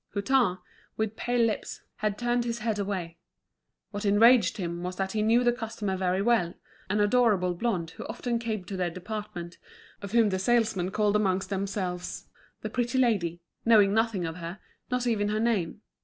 Hutin, with pale lips, had turned his head away. What enraged him was that he knew the customer very well, an adorable blonde who often came to their department, and whom the salesmen called amongst themselves "the pretty lady," knowing nothing of her, not even her name.